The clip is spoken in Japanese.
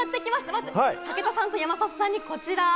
まず武田さんと山里さんにこちら。